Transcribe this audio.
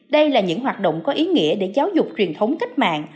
đây là những hoạt động có ý nghĩa để giáo dục truyền thống cách mạng